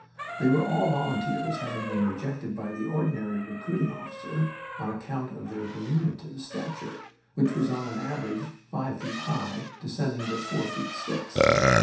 They were all volunteers, having been rejected by the ordinary recruiting officer on account of their diminutive stature, which was on an average five feet high, descending to four feet six.